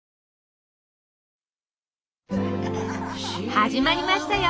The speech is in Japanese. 始まりましたよ！